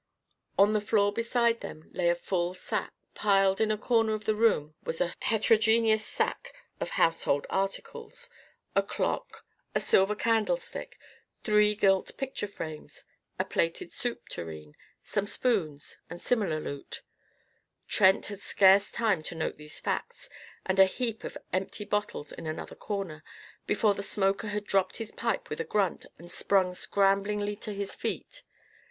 On the floor beside them lay a full sack. Piled in a corner of the room was a heterogeneous stack of household articles a clock, a silver candlestick, three gilt picture frames, a plated soup tureen, some spoons, and similar loot. Trent had scarce time to note these facts and a heap of empty bottles in another corner, before the smoker had dropped his pipe with a grunt and sprung scramblingly to his feet.